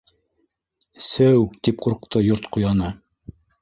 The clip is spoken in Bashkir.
—Сеү! —тип ҡурҡты Йорт ҡуяны.